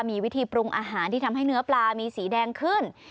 มีวิธีปรุงอาหารที่ทำให้เนื้อปลามีสีแดงขึ้น